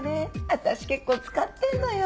私結構使ってんのよ。